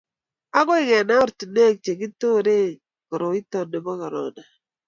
agoi kenai ortinwek che kiturei koroito nito bo korona